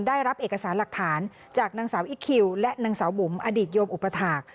ได้รับเอกสารหลักฐานจากนางสาวอิ๊กคิวและนางสาวบุ๋มอดีตโยมอุปถาค